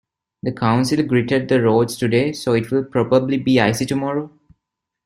The council gritted the roads today, so it will probably be Icy tomorrow.